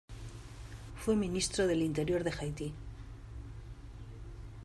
Fue ministro del Interior de Haití.